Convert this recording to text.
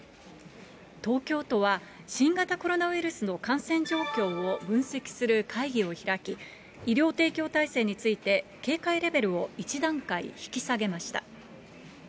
東京都は新型コロナウイルスの感染状況を分析する会議を開き、医療提供体制について、警戒レベルを１段階引き下げました。